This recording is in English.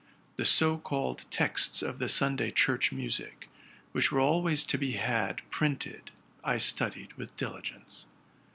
The so called texts of the Sunday church music, which were always to be had printed, I studied with diligence.